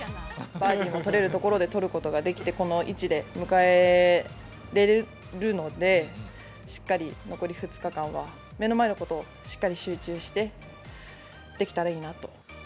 バーディーも取れるところで取ることができて、この位置で迎えれるので、しっかり残り２日間は、目の前のことをしっかり集中してできたらいいなと。